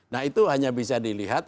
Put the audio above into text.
nah itu hanya bisa dilihat